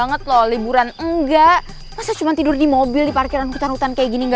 ntar dia butuh gimana